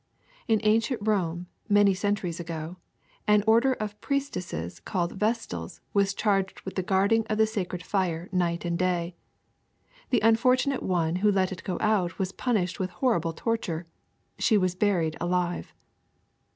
In ancient Rome, many centuries ago, an order of priestesses called Vestals was charged with the guarding of the sacred fire night and day. The un fortunate one who let it go out was punished with horrible torture: she was buried alive!''